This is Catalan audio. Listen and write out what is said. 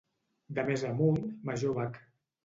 De més amunt, major bac.